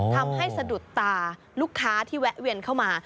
สะดุดตาลูกค้าที่แวะเวียนเข้ามา